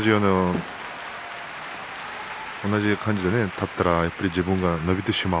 同じ感じで立ったら自分が伸びてしまう。